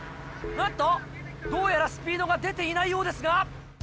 なんとどうやらスピードが出ていないようですが？